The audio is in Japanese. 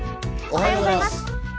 おはようございます。